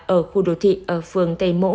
ở khu đô thị ở phường tây mỗ